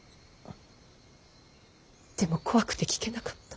でも怖くて聞けなかった。